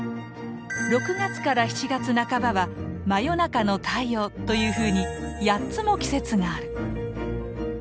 ６月から７月半ばは「真夜中の太陽」というふうに８つも季節がある！